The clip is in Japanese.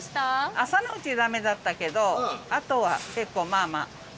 朝のうち駄目だったけどあとは結構まあまあ。